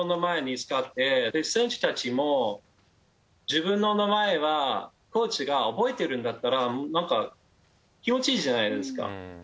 選手たちも自分の名前はコーチが覚えてるんだったらなんか気持ちいいじゃないですか。